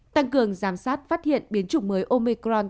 tăng cường giám sát phát hiện biến chủng mới omicron